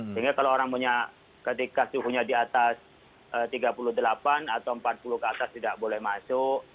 sehingga kalau orang punya ketika suhunya di atas tiga puluh delapan atau empat puluh ke atas tidak boleh masuk